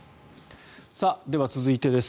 では、続いてです。